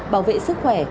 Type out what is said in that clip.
bảo vệ sức khỏe